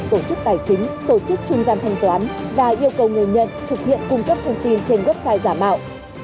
tổ chức tài chính tổ chức trung gian thanh toán và yêu cầu người nhận thực hiện cung cấp thông tin trên website giả mạo